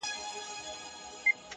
• آس په زین او په سورلیو ښه ښکاریږي -